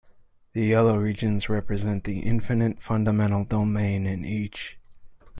The yellow regions represent the infinite fundamental domain in each.